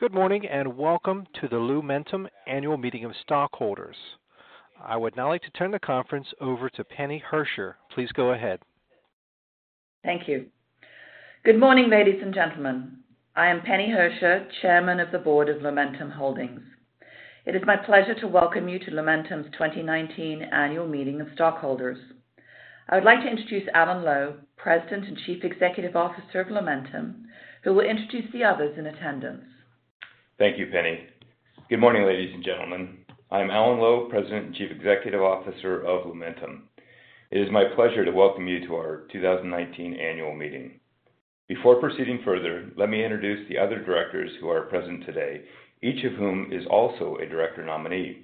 Good morning and welcome to the Lumentum Annual Meeting of Stockholders. I would now like to turn the conference over to Penny Hersher. Please go ahead. Thank you. Good morning, ladies and gentlemen. I am Penny Hersher, Chairman of the Board of Lumentum Holdings. It is my pleasure to welcome you to Lumentum's 2019 Annual Meeting of Stockholders. I would like to introduce Alan Lowe, President and Chief Executive Officer of Lumentum, who will introduce the others in attendance. Thank you, Penny. Good morning, ladies and gentlemen. I am Alan Lowe, President and Chief Executive Officer of Lumentum. It is my pleasure to welcome you to our 2019 Annual Meeting. Before proceeding further, let me introduce the other directors who are present today, each of whom is also a director nominee.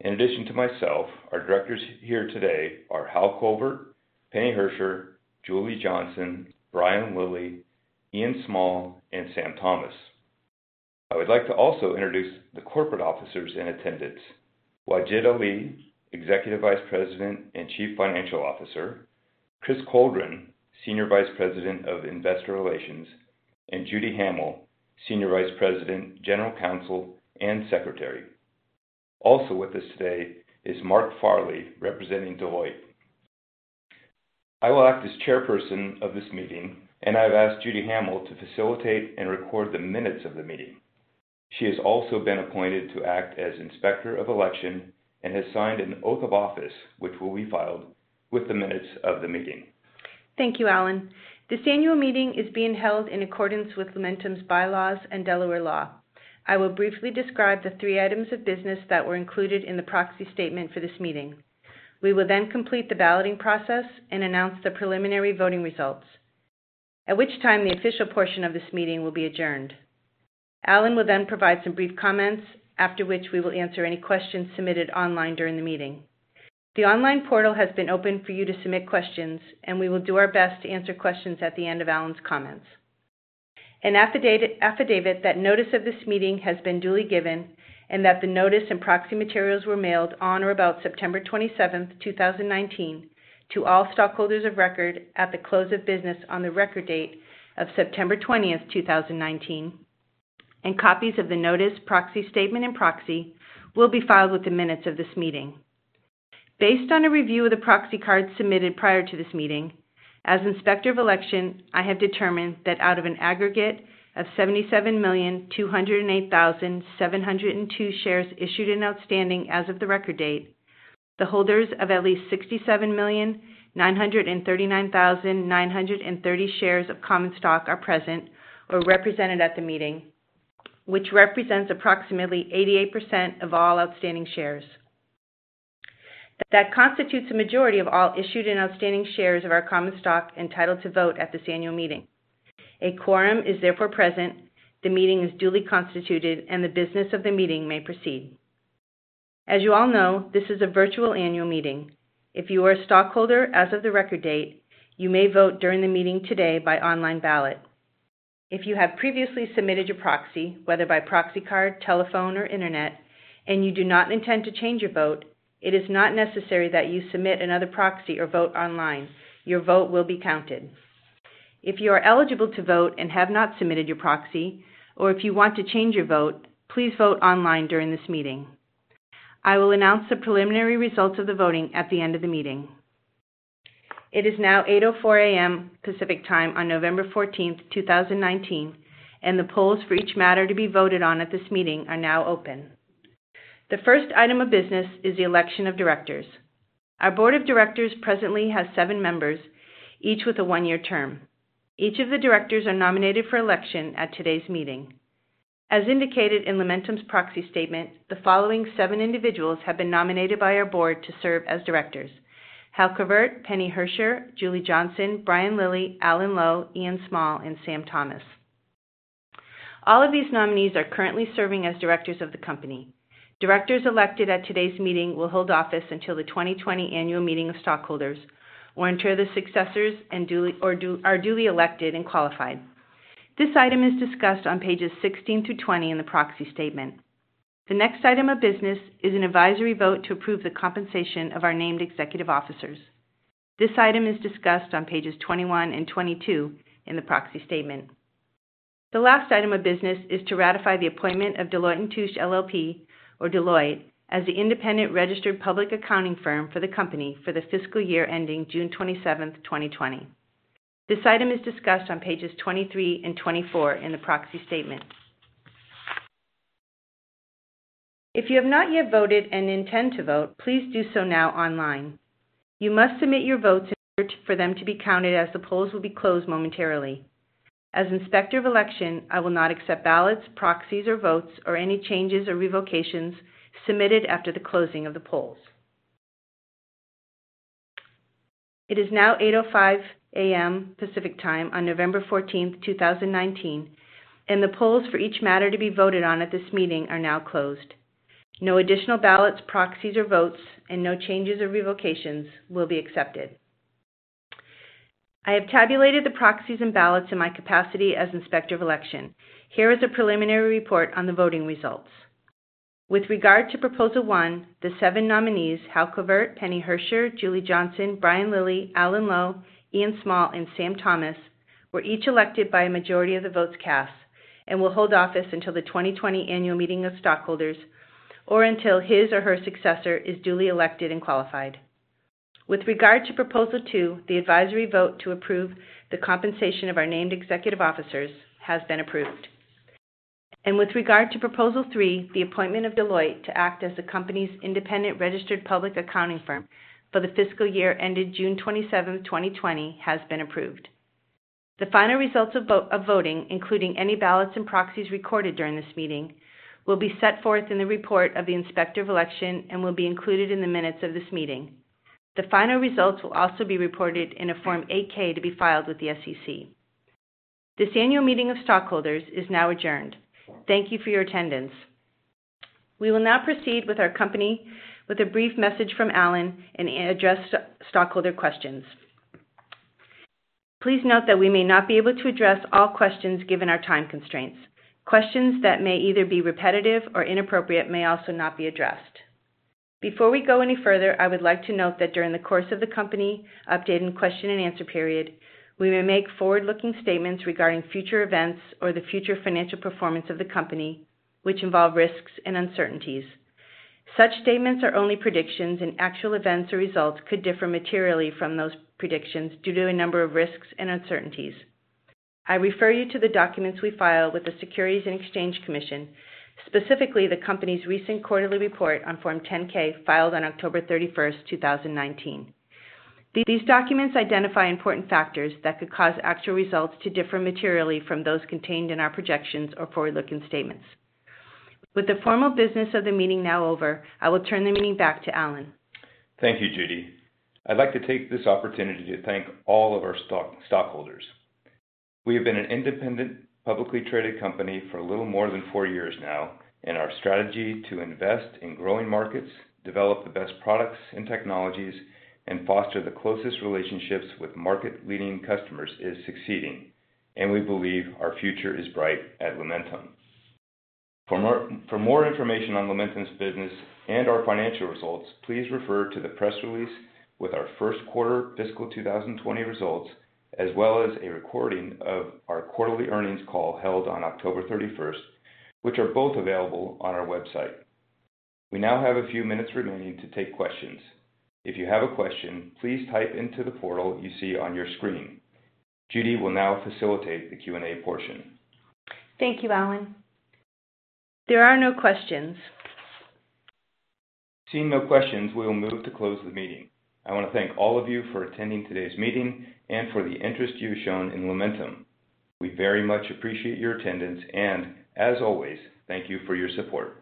In addition to myself, our directors here today are Hal Covert, Penny Hersher, Julie Johnson, Brian Lillie, Ian Small, and Sam Thomas. I would like to also introduce the corporate officers in attendance: Wajid Ali, Executive Vice President and Chief Financial Officer; Chris Coldren, Senior Vice President of Investor Relations; and Judy Hamel, Senior Vice President, General Counsel, and Secretary. Also with us today is Mark Farley, representing Deloitte. I will act as Chairperson of this meeting, and I have asked Judy Hamel to facilitate and record the minutes of the meeting. She has also been appointed to act as Inspector of Election and has signed an oath of office, which will be filed with the minutes of the meeting. Thank you, Alan. This Annual Meeting is being held in accordance with Lumentum's bylaws and Delaware law. I will briefly describe the three items of business that were included in the proxy statement for this meeting. We will then complete the balloting process and announce the preliminary voting results, at which time the official portion of this meeting will be adjourned. Alan will then provide some brief comments, after which we will answer any questions submitted online during the meeting. The online portal has been open for you to submit questions, and we will do our best to answer questions at the end of Alan's comments. An affidavit that notice of this meeting has been duly given, and that the notice and proxy materials were mailed on or about September 27, 2019, to all stockholders of record at the close of business on the record date of September 20, 2019, and copies of the notice, proxy statement, and proxy will be filed with the minutes of this meeting. Based on a review of the proxy cards submitted prior to this meeting, as Inspector of Election, I have determined that out of an aggregate of 77,208,702 shares issued and outstanding as of the record date, the holders of at least 67,939,930 shares of common stock are present or represented at the meeting, which represents approximately 88% of all outstanding shares. That constitutes a majority of all issued and outstanding shares of our common stock entitled to vote at this Annual Meeting. A quorum is therefore present, the meeting is duly constituted, and the business of the meeting may proceed. As you all know, this is a virtual Annual Meeting. If you are a stockholder as of the record date, you may vote during the meeting today by online ballot. If you have previously submitted your proxy, whether by proxy card, telephone, or internet, and you do not intend to change your vote, it is not necessary that you submit another proxy or vote online. Your vote will be counted. If you are eligible to vote and have not submitted your proxy, or if you want to change your vote, please vote online during this meeting. I will announce the preliminary results of the voting at the end of the meeting. It is now 8:04 A.M. Pacific Time on November 14, 2019, and the polls for each matter to be voted on at this meeting are now open. The first item of business is the election of directors. Our Board of Directors presently has seven members, each with a one-year term. Each of the directors are nominated for election at today's meeting. As indicated in Lumentum's proxy statement, the following seven individuals have been nominated by our Board to serve as directors: Hal Covert, Penny Hersher, Julie Johnson, Brian Lillie, Alan Lowe, Ian Small, and Sam Thomas. All of these nominees are currently serving as directors of the company. Directors elected at today's meeting will hold office until the 2020 Annual Meeting of Stockholders or until the successors are duly elected and qualified. This item is discussed on pages 16 through 20 in the proxy statement. The next item of business is an advisory vote to approve the compensation of our named executive officers. This item is discussed on pages 21 and 22 in the proxy statement. The last item of business is to ratify the appointment of Deloitte & Touche LLP, or Deloitte, as the independent registered public accounting firm for the company for the fiscal year ending June 27, 2020. This item is discussed on pages 23 and 24 in the proxy statement. If you have not yet voted and intend to vote, please do so now online. You must submit your votes in order for them to be counted as the polls will be closed momentarily. As Inspector of Election, I will not accept ballots, proxies, or votes, or any changes or revocations submitted after the closing of the polls. It is now 8:05 A.M. Pacific Time on November 14, 2019, and the polls for each matter to be voted on at this meeting are now closed. No additional ballots, proxies, or votes, and no changes or revocations will be accepted. I have tabulated the proxies and ballots in my capacity as Inspector of Election. Here is a preliminary report on the voting results. With regard to Proposal One, the seven nominees, Hal Covert, Penny Hersher, Julie Johnson, Brian Lillie, Alan Lowe, Ian Small, and Sam Thomas, were each elected by a majority of the votes cast and will hold office until the 2020 Annual Meeting of Stockholders or until his or her successor is duly elected and qualified. With regard to Proposal Two, the advisory vote to approve the compensation of our named executive officers has been approved. With regard to Proposal Three, the appointment of Deloitte to act as the company's independent registered public accounting firm for the fiscal year ended June 27, 2020, has been approved. The final results of voting, including any ballots and proxies recorded during this meeting, will be set forth in the report of the Inspector of Election and will be included in the minutes of this meeting. The final results will also be reported in a Form 8-K to be filed with the SEC. This Annual Meeting of Stockholders is now adjourned. Thank you for your attendance. We will now proceed with our company with a brief message from Alan and address stockholder questions. Please note that we may not be able to address all questions given our time constraints. Questions that may either be repetitive or inappropriate may also not be addressed. Before we go any further, I would like to note that during the course of the company update and question and answer period, we may make forward-looking statements regarding future events or the future financial performance of the company, which involve risks and uncertainties. Such statements are only predictions, and actual events or results could differ materially from those predictions due to a number of risks and uncertainties. I refer you to the documents we file with the Securities and Exchange Commission, specifically the company's recent quarterly report on Form 10-K filed on October 31, 2019. These documents identify important factors that could cause actual results to differ materially from those contained in our projections or forward-looking statements. With the formal business of the meeting now over, I will turn the meeting back to Alan. Thank you, Judy. I'd like to take this opportunity to thank all of our stockholders. We have been an independent publicly traded company for a little more than four years now, and our strategy to invest in growing markets, develop the best products and technologies, and foster the closest relationships with market-leading customers is succeeding, and we believe our future is bright at Lumentum. For more information on Lumentum's business and our financial results, please refer to the press release with our first quarter fiscal 2020 results, as well as a recording of our quarterly earnings call held on October 31, which are both available on our website. We now have a few minutes remaining to take questions. If you have a question, please type into the portal you see on your screen. Judy will now facilitate the Q&A portion. Thank you, Alan. There are no questions. Seeing no questions, we will move to close the meeting. I want to thank all of you for attending today's meeting and for the interest you've shown in Lumentum. We very much appreciate your attendance, and as always, thank you for your support.